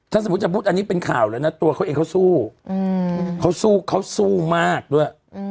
ถ้าสมมุติจะพูดอันนี้เป็นข่าวแล้วนะตัวเขาเองเขาสู้เขาสู้เขาสู้มากด้วย